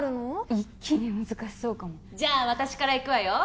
一気に難しそうかもじゃあ私からいくわよ